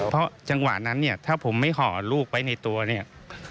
เพราะจังหวะนั้นเนี่ยถ้าผมไม่ห่อลูกไว้ในตัวเนี่ย